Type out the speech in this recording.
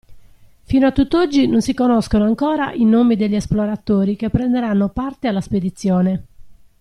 Fino a tutt'oggi non si conoscono ancora i nomi degli esploratori che prenderanno parte alla spedizione.